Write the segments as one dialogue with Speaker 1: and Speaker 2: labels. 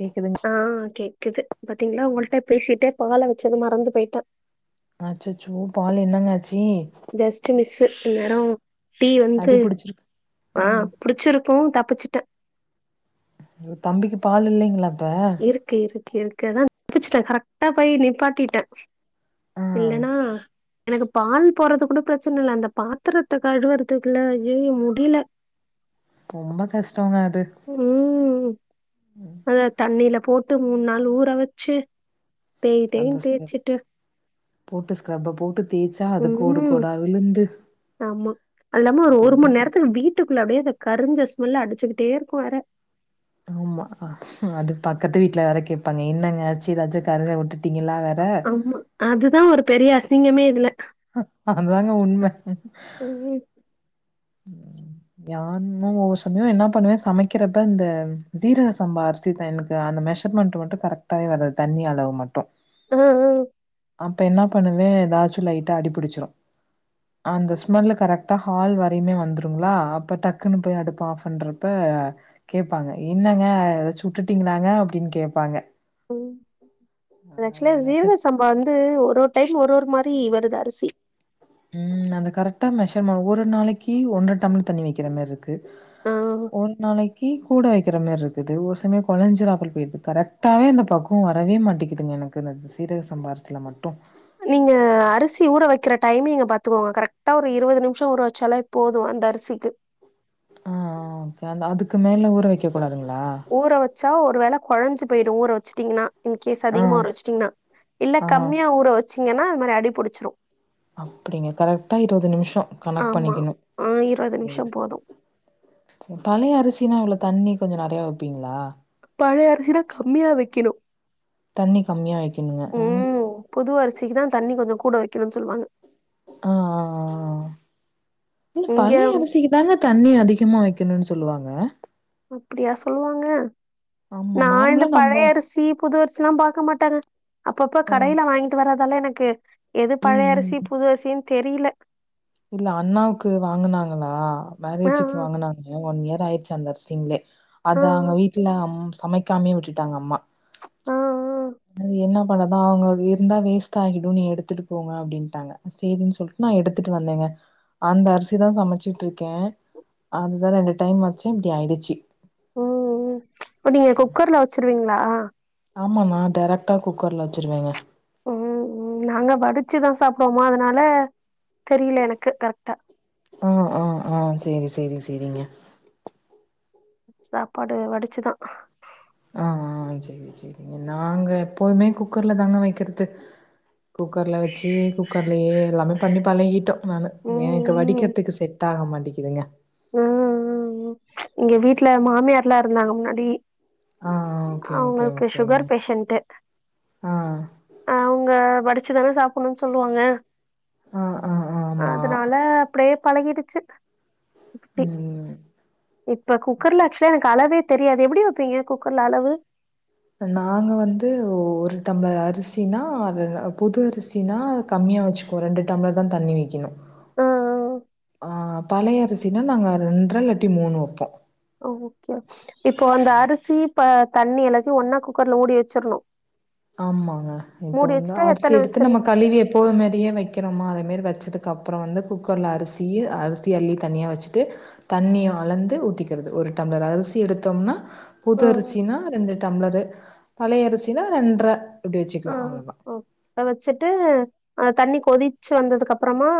Speaker 1: கேக்குதுங்க
Speaker 2: ஆ கேக்குது பாத்தீங்களா உங்கள்ட்ட பேசிட்டே பால வச்சத மறந்து போய்ட்டேன்
Speaker 1: அச்சச்சோ பால் என்னங்க ஜி
Speaker 2: செட் எடம் டீ வந்து
Speaker 1: புடிச்சிருக்கு
Speaker 2: ஆ புடிச்சிருக்கும் தப்புச்சு ட்டு
Speaker 1: தம்பிக்கு பால் இல்லைங்களா இப்ப
Speaker 2: இருக்கு இருக் இருக்குதான் தப்பிச்சட்டேன் கரெக்ட்டா போய் நிப்பாட்டிட்டேன்
Speaker 1: ஆ
Speaker 2: இல்லைன்னா எனக்கு பாலே போறது கூட பிரச்சனை இல்லை அந்த பாத்திரத்தை கழுவறதுக்கு எல்லாம் ஐயோ முடியல
Speaker 1: ரொம்ப கஷ்டங்க அது
Speaker 2: ம் அத தண்ணில போட்டு மூணு நாள் ஊற வச்சு தேய்
Speaker 1: அந்த
Speaker 2: தேய்யின்னு
Speaker 1: ஸ்க்ரப்
Speaker 2: தேய்ச்சுட்டு
Speaker 1: போட்டு ஸ்கிரப்பு போட்டு தேய்ச்சா அதை கோடு
Speaker 2: ம்
Speaker 1: கோடா விழுந்து
Speaker 2: ஆமா அது அல்லாம ஒரு
Speaker 1: அது
Speaker 2: ஒரு மணி
Speaker 1: எதுக்கு?
Speaker 2: நேரத்துக்கு வீட்டுக்குள்ள அப்படியே அது கறிஞ்ச ஸ்மெல் அடிச்சுக்கிட்டே இருக்கும் வேற
Speaker 1: ஆமா அது பக்கத்து வீட்டுல வேற கேட்பாங்க என்ன்னங்க ஆச்சு ஏதாச்சும் கருவய வுட்டுட்டு
Speaker 2: ஆமா அதுதான் ஒரு பெரிய அசிங்கமே இதுல
Speaker 1: அதாங்க உண்மை
Speaker 2: ம்.
Speaker 1: யானும் ஒவ்வொ சமயம் என்ன பண்ணுவே சமைக்கிறப்ப இந்த சீரக சம்ப அரிசிதா எனக்கு அந்த மெஷர்மெண்ட் மட்டு கரெக்டாவே வராது தண்ணி அளவு மட்டு
Speaker 2: ஆ ஆ
Speaker 1: அப்ப என்ன பண்ணுவே ஏதாச்சு லைட்டா அடிபிடிச்சிடு அந்த ஸ்மெல்ல கரெட்டா ஹால் வ இப்ப இன்மே வந்துருங்களா அப்ப டக்குன்னு போய் அடுப்ப ஆஃப் பண்றப்ப கேட்பாங்க என்னங்க ஏத சுட்டுட்டீங்களாங்க அப்பிடின்னு கேப்பாங்க
Speaker 2: ம் ஆக்சுவலா
Speaker 1: மெஷர்
Speaker 2: ஜீரக சம்பா வந்து ஒரு ஒரு டைம் ஒரு ஒரு மா தி வருது அரிசி
Speaker 1: ம் அது கரெக்டா மெஷர் ஒரு நாளைக்கு ஒன்றரை டம்ள தண்ணி வைக்கிற மாரிர்க்கு
Speaker 2: ஆ
Speaker 1: ஒரு நாளைக்கு கூட வைக் க்கிற மாரி இருக்குது ஒரு சமயம் கொலைஞ்சிர ஆப்பல் போயிது கரெக்டாவே அந்த பக்குவோ வரவேமாட்டேங்குதுங்க எனக்கு சீரக சம்பா அரிசில மட்டு
Speaker 2: நீங்க அரிசி ஊற வைக்கிற டைமிங்க பாத்துக்கோங்க கரெக்டா ஒரு இருவது நிமிஷம் ஊற வச்சாலாப்போது அந்த அரிசிக்கு
Speaker 1: ஆ ஓகே அதுக்கு மேல ஒரு
Speaker 2: ஊற வச்சா ஒரு வேள குழஞ்சி பேயிடு ஊற வச்சிட்டீங்கன்னா இன் கேஸ்
Speaker 1: ஆ,
Speaker 2: அதிகமா ஊற வச்சிட்டீங்கன்னா இல்ல
Speaker 1: ஆ.
Speaker 2: கம்மியா ஊற வச் ச்சிங்கன்னா அது மாரி அடிபுடிச்சிடு
Speaker 1: அப்பிடிங்க கரெக்டா இருவது நிமிஷம் கணக்
Speaker 2: ஆமா.
Speaker 1: பண்ணிக்கணு
Speaker 2: ஆ
Speaker 1: சேரி
Speaker 2: நிமிஷம் போதும்.
Speaker 1: பழைய அரிசினா அவ்ள தண்ணி கொஞ்சோ நெறையா வைப்பீங்களா
Speaker 2: பழைய அரிசிலா கம்மியா வைக்கணு
Speaker 1: தண்ணி கம்மியா வைக்கணுங்க அ.
Speaker 2: ம் புது அரிசிக்குதா தண்ணி கொஞ்சோ கூட வைக் கிணம் சொல்லுவாங்க
Speaker 1: ஆ ஆ ஆ ஆ இ
Speaker 2: இங்க
Speaker 1: பழைய அரிசிக்கு தாங்க தண்ணி அதிகமா வைக் என்னன்னு சொல்லுவாங்க
Speaker 2: அப்பிடியா சொல்லுவாங்க
Speaker 1: ஆமா
Speaker 2: நா இந்த
Speaker 1: நார்மலா நம்ப
Speaker 2: பழைய அரிசி புது அரிசில்லா பாக்க மாட்டாங்க அப்பப்ப
Speaker 1: ஆ
Speaker 2: கடையில வாங்கிட்டு வரா த்தால எனக்கு எது
Speaker 1: ம்
Speaker 2: பழைய
Speaker 1: ம்
Speaker 2: அரிசி புது அரிசின் தெரில
Speaker 1: இல்ல அண்ணாவுக்கு வாங்குனாங்களா
Speaker 2: ஆ
Speaker 1: மேரேஜக்கு வாங்குனாங்க ஒன் இயர் ராய்ச்சி அரிசிங்கலே
Speaker 2: ஆ ஆ
Speaker 1: அத அங்க வீட்டல அம் சமைக்காமே விட்டுட்டாங்க அம்மா
Speaker 2: ஆ ம்
Speaker 1: படதா அவங்க இருந்தா வேஸ்ட் ஆகிடும் நீ எடுத்துட்டு போங்க அப்பிடின்ட்டாங்க சேரின்னு சொல்ட் நா எடுத்துட்டு வந்தேங்க அந்த அரிசிதா சமைச்சுட்டு இருக்கே அதுதா ரெண்டு டைம் வச்சே இப்பிடி ஆயிடுச்சி
Speaker 2: ம் ஆ
Speaker 1: ஆமாண்ணா டேரெக்ட்டா குக்கர்ல வச்சுருவேங்க
Speaker 2: ஒ உ நாங்க வடிச்சுதா சாப்பிடுவோமா அதனால தெரில எனக்கு கரெக்ட்டா
Speaker 1: ஆ ஆ ஆ சேரி சேரி சேரிங்க
Speaker 2: சாப்பாடு வடிச்சுதா
Speaker 1: ஆ ஆ சேரி சேரிங்க நாங்க எப்போதுமே குக்கர்ல தாங்க வக்கிறது குக்கர்ல வச்சு குக்கர்லயே எல்லாமே பண்ணி பழகிட்டோ நானு
Speaker 2: ம்
Speaker 1: எனக்கு வடிக்கிறதுக்கு செட் ஆக மாட் தீக்குதுங்க
Speaker 2: ம்ம்ம் ச் இங்க வீட்ல மாமியார் ல்ல ருந்தாங்க முன்னாடி
Speaker 1: ஆ ஓகே ஓகே
Speaker 2: அவுங்களுக்கு
Speaker 1: ஓகேங்க
Speaker 2: சுகர் பேஷன்ட்டு
Speaker 1: ஆ
Speaker 2: அவுங்க படிச் ச்சுதான சாப்புணுன்னு சொல்லுவாங்க
Speaker 1: ஆ ஆ ஆமா
Speaker 2: அதனால அப்படயேப் பழகிடுச்சு இப்புட்டி
Speaker 1: ம்
Speaker 2: இப்ப குக்கர்ல அக்சுலா எனக்கு அளவே தெரியாது எப்டி வப்பீங்க குக்கர்ல அளவு
Speaker 1: நாங்க வந்து வொரு டம்ளர் அரிசின்னா அத புது அரிசினா கம்மியா வச்சுப்போ ரெண்டு டம்ளர் தா தண்ணி வெக்கணு
Speaker 2: ஆ
Speaker 1: ஆ பழைய அரிசினா நாங்க ரெண் [unintelligible] மூணு வப்போ
Speaker 2: ஓ ஓகே இப்போ அந்த அரிசி ப தண்ணி எல்லாத்தையு ஒன்னா குக்கர்ல ஊடி வச்சிர்ணு
Speaker 1: ஆமாங்க இப்ப வந்து அரிசி
Speaker 2: எத்தன
Speaker 1: எடுத்து
Speaker 2: விசில்
Speaker 1: நம்ம கழிவி எப்போது மாரியே வக்கிறோமா அதே மாரி வச்சுது அக்கப்பறம் வந்து குக்கர்ல அரிசி அரிசி அள்ளி தனியா வச்சுட்டு தண்ணிய அளந்து ஊத்திக்கிறது ஒரு டம்ளர் அரிசி எடுத்தோம்னா
Speaker 2: ஆ
Speaker 1: புது அரிசினா ரெண்டு டம்ளரு பழைய அரிசின்னா ரெண் [unintelligible]
Speaker 2: ஆ ஒ வச்சுட்டு அ தண்ணி கொதிச்சு வந்ததுக்கு அப்பறமா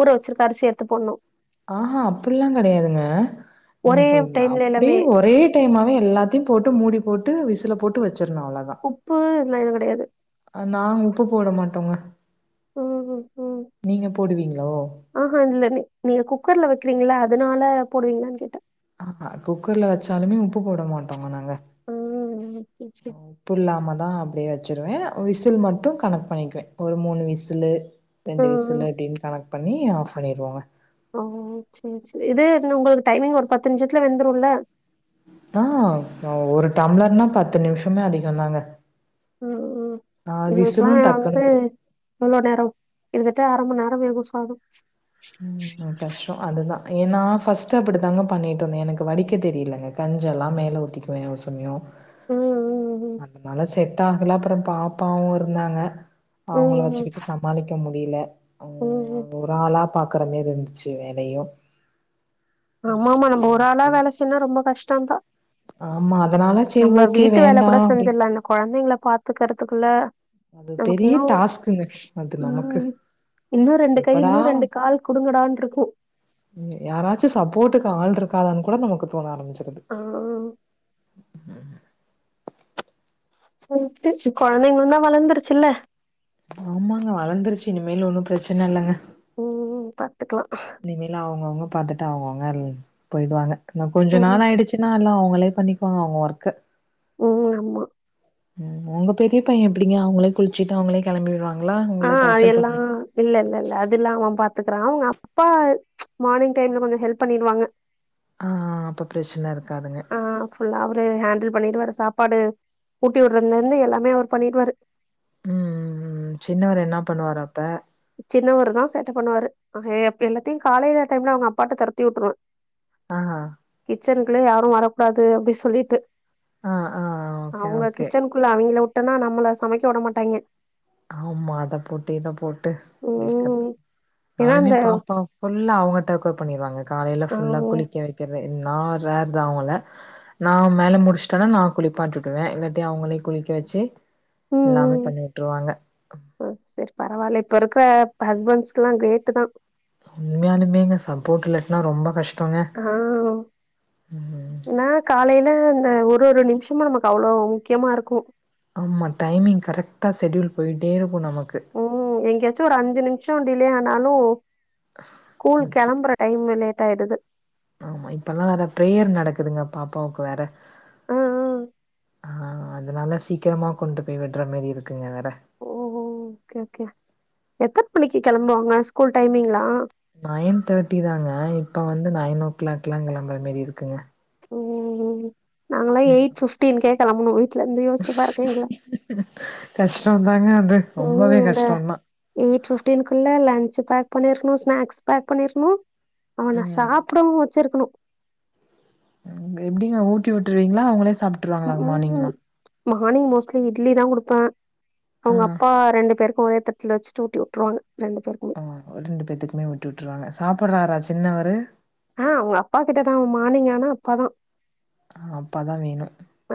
Speaker 2: ஊற வச்சிருக்க அரிசி எடுத்து போடணு
Speaker 1: ஆஹா அப்டில்லா கெடையாதுங்க நீங்க
Speaker 2: ஒரே
Speaker 1: சொல்
Speaker 2: டைம்ல
Speaker 1: அப்டி
Speaker 2: எல்லாமே
Speaker 1: ஒரே டைமாவே எல்லாத்தையு போட்டு மூடி போட்டு விஸ் த்துல போட்டு வ
Speaker 2: உப்பு இல்ல [unintelligible] டையெது
Speaker 1: நாங் உப்பு போட மாட்டோங்க
Speaker 2: ம் ம்
Speaker 1: நீங்க போடுவீங்களோ?
Speaker 2: ஆஹா இல்ல நீ நீங்க குக்கர்ல வக்கிறீங்களா அதுனால போடுவீங்களான் கேட்ட
Speaker 1: ஆஹா குக்கர்ல வெச்சாலுமே உப்பு போட மாட்டோங்க நாங்க
Speaker 2: ம் ம்ம் டிக் டிக்
Speaker 1: தா அப்டியே வெச்சுருவ விசில் மட்டு கணக் பண்ணிக்குவே ஒரு மூணு விசுலு ரெண்டு
Speaker 2: ம் ம்
Speaker 1: விசுலு அப்டின் கணக் பண்ணி ஆஃப் பண்ணிருவோங்க
Speaker 2: ஓ சேரி சேரி இது எதுங்க உங்களோட டைமிங் ஒரு பத்து நிம்ஷத்துல வெந்துருல்ல
Speaker 1: ஆ நா ஒரு டம்ளர்னா பத்து நிம்ஷமே அதிகோந்தாங்க
Speaker 2: ம் ம் இதுக்குலா
Speaker 1: டக்குன்னு
Speaker 2: வந்து
Speaker 1: போயிடும்.
Speaker 2: எவ்ளோ நேரோ இதுக்கே அரமன் நேர் [unintelligible]
Speaker 1: ம் அது கஷ்டோ அதுதா ஏ நா ஃபஸ்ட்டு அப்புடித்தாங்க பண்ணிட்டு வந்தே எனக்கு வடிக்க தெரியலங்க கஞ்செல்லா மேல ஊத்திக்குவ ஒரு சில சமயோ
Speaker 2: ம் ம்
Speaker 1: அந்துனால சேர் த்தாகல அப்புறோ பாப்பாவு இருந்தாங்க
Speaker 2: ம்
Speaker 1: அவங்கள
Speaker 2: ம்
Speaker 1: வெச்சுக்கிட்டு சமாளிக்க மு முடில
Speaker 2: ம் ம்
Speaker 1: பாக்குற மாரி இருந்துச்சு வேலையு
Speaker 2: ஆமாமா
Speaker 1: அதனால
Speaker 2: நம்ம ஒரு ஆளா
Speaker 1: ஓகே.
Speaker 2: வேல செஞ்சா ரொம்ப கஷ்டந்தா
Speaker 1: ஆமா அதனால சரி
Speaker 2: நம்ம
Speaker 1: ஓகே
Speaker 2: வீட்டு வேல
Speaker 1: வேண்டா
Speaker 2: கூட
Speaker 1: அப்டின்
Speaker 2: செஞ்சுர்லா ஆனா கொழந்தைங்கள பாத்துக்குறதுக்குள்ள
Speaker 1: அது பெரிய டாஸ்க்குங்க அது நமக்கு
Speaker 2: ம் இன்னு ரெண்டு கை
Speaker 1: எப்படா
Speaker 2: இன்னு ரெண்டு கால் குடுங்கடான்னு இருக்கு
Speaker 1: யாராச்சு சப்போட்டுக்கு ஆள்ற கு காதாணு கூட நமக்கு தோண ஆரம்பிச்
Speaker 2: ஓ ரைட்டு கொழந்தைங்களுந்தா வளந்துருச்சுல்ல
Speaker 1: ஆமாங்க வளந்துருச்சு இனிமேலு ஒன்னு பிரச்சன இல்லங்க
Speaker 2: ம் பத்
Speaker 1: இனிமேல் அவுங்கவுங்க பாத்துட்டு அவுங்கவுங்கள் போயிடுவாங்க ஆனா கொஞ்சோ
Speaker 2: ம்
Speaker 1: நாள் ஆயிடுச்சுன்னா எல்லா அவுங்களே பண்ணிக்குவாங்க அவுங்க ஒர்க்க
Speaker 2: ம் ஆமா
Speaker 1: ம் உங்க பெரிய பைய எப்புடிங்க அவங்களே குளுச்சுட்டு அவங்களே கெளம்பிடுவாங்
Speaker 2: ஆ அத எல்லாம் இல்ல இல்ல இல்ல அதுல்லாம் அவன் பாத் துக்கற அவுங்க அப்பா மார்னிங் டைம்ல கொஞ்சம் ஹெல்ப் பண்ணிருவாங்க
Speaker 1: ஆ அப்ப பிரச்சனை இருக்
Speaker 2: ஆ ஃபுல் அவரு ஹேண்டில் பண்ணிடுவாரு சாப்பாடு ஊட்டி விடுறதுலருந்து எல்லாமே அவரு பண்ணிடுவாரு
Speaker 1: ம் ம் ம் ம் சின்னவர் என்ன பண்ணுவார் அப்ப
Speaker 2: சின்னவர் தான் சேட்டை பண்ணுவாரு அ எல்லாத்தையும் காலையில டைம்ல அவுங்க அப்பாட்ட துரத்தி விட்ருவவேன்
Speaker 1: ஆ
Speaker 2: கிச்சன்க்குள்ள யாரும் வரக்கூடாது அப்டின் சொல்லிட்டேன்
Speaker 1: ஆ ஆ ஓகே
Speaker 2: அவுங்க
Speaker 1: ஓகே.
Speaker 2: கிச்சன்க்குள்ள அவுங்கள ட்டேனா நம்மள சமைக்க விட மாட்டாங்கே
Speaker 1: ஆமா அத போட்டு இத போட்
Speaker 2: ம் ஏன்னா
Speaker 1: நானுமே
Speaker 2: அந்த
Speaker 1: பாப்பா ஃபுல்லா அவுங்க டேக் கேர் பண்ணிருவாங்க காலையில ஃபுல்லா
Speaker 2: ஆஹ்
Speaker 1: குளிக்க வைக்கிற நா ரேர்தான் அவுங்கள நான் மேல முடிச்சுட்டன்னா நான் குளிப்பாட்டுவேன் இல்லாட்டி அவுங்கள குளிக்க வச்சு எல்லாமே பண்ணி விட்டுருவாங்க
Speaker 2: ஓ செரி பரவால்ல இப்ப இருக்கற ஹஸ்பண்ட்ஸ் எல்லாம் கிரேட்டு தான்
Speaker 1: உண்மையாலுமே எங்க சப்போர்ட் இல்லனா ரொம்ப கஷ்
Speaker 2: ஆ
Speaker 1: ம்.
Speaker 2: நா காலையில ஒரு ஒரு நிமிஷமும் நமக்கு அவ்ளோ முக்கியமா இருக்கும்
Speaker 1: ஆமா டைமிங் கரெக்ட்டா ஷடியூல் போய்ட்டே இருக்
Speaker 2: ம் எங்கேயாச்சும் ஒரு அஞ்சு நிமிஷம் டிலே ஆ னாலும் ஸ்கூல்
Speaker 1: ஆச்சு.
Speaker 2: கிளம்புற டைம் மினிட் டைடு து
Speaker 1: ஆமா இப்ப எல்லாம் வேற பிரேயர் நடக்குதுங்க பாப்பாவுக்கு வேற
Speaker 2: ஆ, ஆ.
Speaker 1: ஆ அதனால சீக்கிரமா கொண்டு போய் விடுற மாரி இருக்குங்க வேற
Speaker 2: ஓ ஓ ஓகே ஓகே எத்தனை மணிக்கு கிளம்புவாங்க ஸ்கூல் டைமிங்லா
Speaker 1: நைன் தேர்ட்டி தாங்க இப்ப வந்து நைன் ஓ கிளாக் எல்லாம் கிளம்புற மாரி இருக்குங்க
Speaker 2: ம் ம் ம் ம் நாங்கலாம் எயிட் ஃபிப்டீன் கே சல்லமுனோயி ட்ல இருந்து யோசிச்சு பா ருக்கீங்களா
Speaker 1: கஷ்டோந்தாங்க அது
Speaker 2: ம்
Speaker 1: ரொம்பவே
Speaker 2: இந்த
Speaker 1: கஷ்டோந்தா
Speaker 2: எயிட் ஃபிப்டீன்குள்ள லஞ்ச பேக் பண்ணிருக்கணு ஸ்நாக்ஸ் பேக் பண்ணிருக்கணு அவன
Speaker 1: ம்
Speaker 2: சாப்படவு வச்சிருக்கணு
Speaker 1: ங்க எப்படிங்க ஊட்டி விட்டுருவீங்களா அவங்களே சாப்ட்டுருவாங்களா மானிங்னா
Speaker 2: மானிங் மோஸ்ட்லி இட்லி தா குடுப்பே
Speaker 1: ஆ
Speaker 2: அவுங்க அப்பா ரெண்டு பேருக்கு ஒரே தச்ல வச்சுட்டு ஊட்டி விட்டுருவாங்க பேருக்குமே.
Speaker 1: ஆ ஒரு ரெண்டு பேத்துக்குமே ஊட்டி விட்டுருவாங்க சாப்பற ரா ராச் ன்னவரு
Speaker 2: ஆ அவுங்க அப்பா கிட்டதா மானிங் ஆனா அப்பாதா
Speaker 1: அப்பா தா வேணு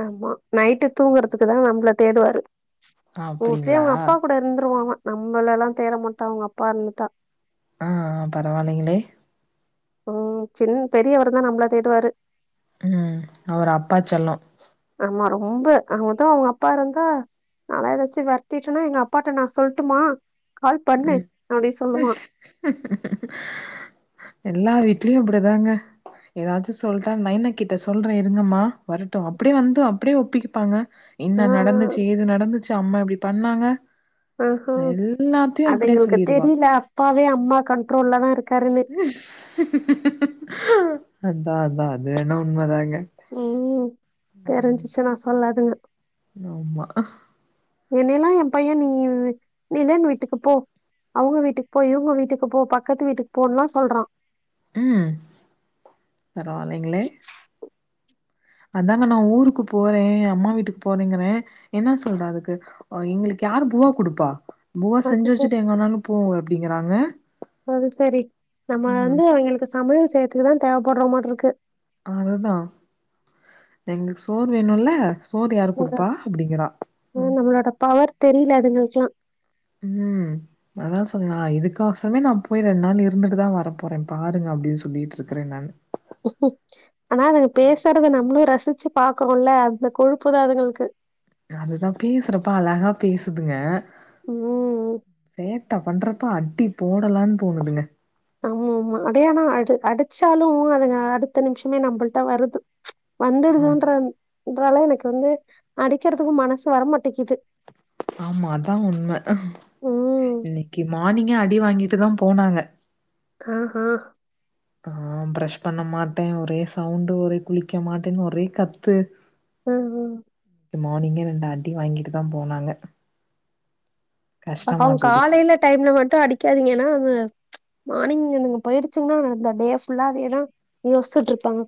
Speaker 2: ஆமா நைட்டு தூங்கறதுக்கு தா நம்மள தேடுவாரு
Speaker 1: ஆ
Speaker 2: மோஸ்ட்லி
Speaker 1: அப்டிங்களா
Speaker 2: அவுங்க அப்பா கூட இருந்துருவ அவ நம்மள லா தேட மாட்டா அவுங்க அப்பா இருந்துட்டா
Speaker 1: அ அ பரவலங்கலெ
Speaker 2: ம் சின்ன பெரியவர்தா நம்மள தேடுவாரு
Speaker 1: ம் அவர் அப்பா செல்லொ
Speaker 2: அமா ரொம்ப அவகதா அவுங்க அப்பா ருந்தா நலா ஏதாச்சு வரட்டிட்டேனு எங்க அப்பாட்ட நா சொல்ட்மா
Speaker 1: ம் எல்லா விட் ட்ரியு அப்டிதாங்க எதாச்சு சொல்ட்டா நைன கிட்ட சொல்றே இருங்கம்மா வரட்டு அப்டியே வந்து அப்டியே ஒப்பிப்பாங்க
Speaker 2: ஆ,
Speaker 1: என்ன
Speaker 2: ஆ.
Speaker 1: நடந்துச்சு ஏது நடந்துச்சு அம்மா இப்டி பண்ணாங்க எல்லாத்
Speaker 2: அதுங்களுக்கு தெரில அப்பாவே அம்மா கண்ட்ரோல்ல தா இர்க்
Speaker 1: [inaudible] அதா அதா அதுவெண்ண உண்ம தாங்க
Speaker 2: ம் தெரிஞ்சிச்சுனா சொல்லாதுங்க [inaudible]
Speaker 1: னொமா
Speaker 2: என்னெல்லா ஏ பையன் நீ நிலன் வீட்டுக்கு போ அவுங்க வீட்டுக்கு போ இவுங்க வீட்டுக்கு போ பக்கத்து வீட்டுக்கு போன்லா சொல்றா
Speaker 1: ம் பரவாலிங்களே அதாங்க நா ஊருக்கு போறே அம்மா வீட்டுக்கு போறேங்கறே என்ன சொல்ற அதுக்கு இங்களுக்கு யாரு பூவா குடுப்பா பூவா
Speaker 2: அது
Speaker 1: செஞ்சி
Speaker 2: சரி
Speaker 1: வச்சிட்டு எங்க வேணாலு போ போ அப்பிடிங்கறாங்க
Speaker 2: அது சரி நம்ம வந்து அவிங்ளுக்கு சமையல் செய்துக்குதா தேவ படற மாட்ருக்கு
Speaker 1: அதுதா எங்ளுக் சோறு வேணுல்ல சோறு யாரு குடுப்பா அப்டிங்கிறா
Speaker 2: ங்கரா
Speaker 1: ம்
Speaker 2: நம்ளோட பவர் தெரியல அதுங்களுக்ல்லா
Speaker 1: ம் அதா சொல்ல இதுக்கா சமே நா போய் ரெண் நாள் இருந்துட்டுதா வர போறே பாருங்க அப்பிடின் சொல்லிட்ருக்கறே நானு
Speaker 2: அனா அதுங் பேசுறது நம்ளு ரசி ரிச்சி பாக்ரோல்ல அந்த கொழுப்பு தா அதுங்களுக்கு
Speaker 1: அதுதா பேசுறப்ப அழகா பேசுதுங்க
Speaker 2: உம்
Speaker 1: சேட்ட பண்ற ப்பா அடி போடலான் தோணுதுங்க
Speaker 2: ஆமாம்மா அடே ஆனா அடு அடிச்சாலு அதுங்க அடுத்த நிமிஷமே நம்மள்ட்ட வருது வந்துடுதுன்ற
Speaker 1: ஆமா
Speaker 2: ன்றாலா எனக்கு வந்து அடிக்கிறதுக்கு மனசு வரமாட்டேக்குது
Speaker 1: ஆமா அதா உண்ம
Speaker 2: உம்
Speaker 1: இன்னிக்கி மார்னிங்கே அடி வாங்கி ட்டுதா போனாங்க
Speaker 2: ஆ ஆஹ்
Speaker 1: ஆ ப்ரஷ் பண்ணமாட்டே ஒரே சவுண்டு ஒரே குளிக்க மாட்டேன்னு ஒரே கத்து
Speaker 2: ம் ம்
Speaker 1: மார்னிங்கே ரெண்டு அடி வாங்கிட்டுதா போனாங்க கஷ்டமா
Speaker 2: அவங்
Speaker 1: போயிடுச்சு
Speaker 2: காலையில டைம்ல மட்டு அடிக்காதீங்க ஏன்னா மார்னிங் அந்ங்க போயிடுச்சுங்கன்னா அந்த டே ஃபுல்லாவேதா யோசிட்டுருப்பாங்க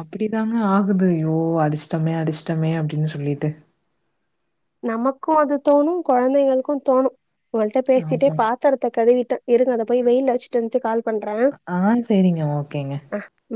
Speaker 1: அப்பிடிதாங்க ஆகுது யோ அடிஷ்டமே அடிஷ ட்டமே அப்பிடின்னு சொல்லிட்டு
Speaker 2: நமக்கு அது தோணு கொழந்தைங்களுக்கு தோணு உங்கள்ட்ட பேசிட்டே
Speaker 1: ஆமா.
Speaker 2: பாத்திரத்த கழுவிட்ட இருங்க அதபோய் வெயில்லவச்சுட்டு வந்ட்டு கால்
Speaker 1: ஆ சேரிங்க ஓகேங்க
Speaker 2: பண்றே